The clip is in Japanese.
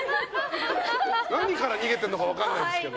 何から逃げてるのか分からないですけど！